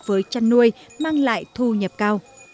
với chăn nuôi mang lại thu nhập cao